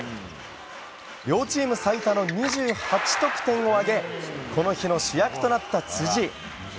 両チーム最多の２８得点を挙げこの日の主役となった辻。